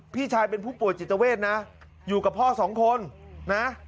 พี่ชายเป็นผู้ป่วยจิตเวทนะอยู่กับพ่อสองคนนะ